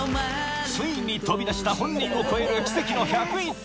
ついに飛び出した本人を超える奇跡の１０１点